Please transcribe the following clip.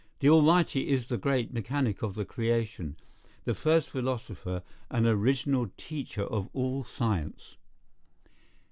The Almighty is the great mechanic of the creation, the first philosopher, and original teacher of all science.